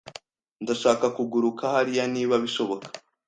Ndashaka kuguruka hariya niba bishoboka.